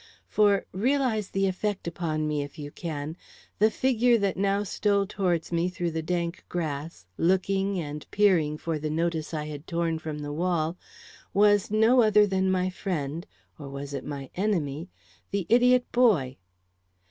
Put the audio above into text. For realize the effect upon me if you can the figure that now stole towards me through the dank grass, looking and peering for the notice I had torn from the wall, was no other than my friend or was it my enemy? the idiot boy.